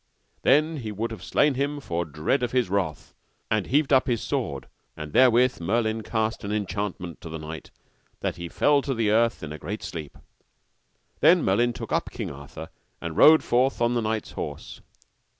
Then would he have slain him for dread of his wrath, and heaved up his sword, and therewith Merlin cast an enchantment to the knight, that he fell to the earth in a great sleep. Then Merlin took up King Arthur, and rode forth on the knight's horse.